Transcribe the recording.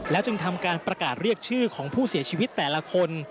จึงทำการประกาศเรียกชื่อของผู้เสียชีวิตแต่ละคน